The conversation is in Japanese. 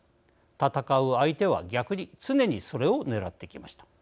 戦う相手は逆に常にそれを狙ってきました。